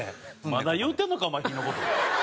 まだ言うてんのかお前火の事。